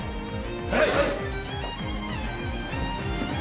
はい！